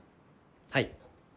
はい。